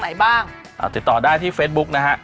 มีอะไรจะพูดนะ